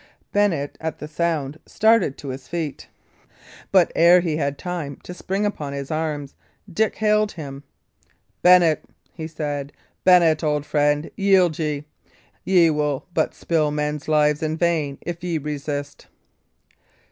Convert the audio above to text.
Bennet, at the sound, started to his feet; but ere he had time to spring upon his arms, Dick hailed him. "Bennet," he said "Bennet, old friend, yield ye. Ye will but spill men's lives in vain, if ye resist."